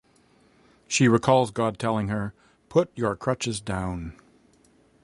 She recalls God telling her: Put your crutches down.